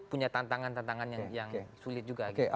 punya tantangan tantangan yang sulit juga